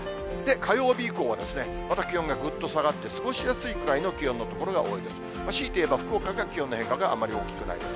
火曜日以降は、また気温がぐっと下がって、過ごしやすいくらいの気温の所が多いです。